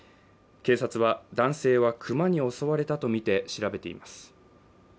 警察は男性はクマに襲われたとみて調べています